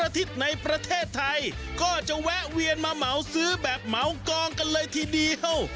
ในประเทศไทยก็จะแวะเวียนมาเหมาซื้อแบบเหมากองกันเลยทีเดียว